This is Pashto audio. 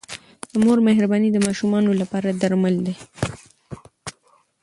د مور مهرباني د ماشومانو لپاره درمل دی.